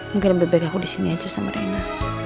mungkin lebih baik aku disini aja sama reina